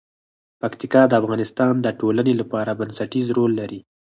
پکتیکا د افغانستان د ټولنې لپاره بنسټيز رول لري.